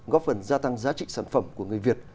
góp phần gia tăng giá trị sản phẩm của người việt